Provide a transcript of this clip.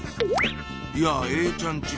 いやえいちゃん家